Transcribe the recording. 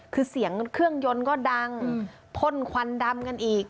คือเสียงเครื่องยนต์ก็ดังพ่นควันดำกันอีก